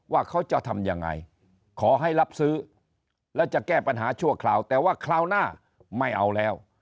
ว่าเขาจะทำยังไงขอให้รับซื้อแล้วจะแก้ปัญหาชั่วคราวแต่ว่าคราวหน้าไม่เอาแล้ว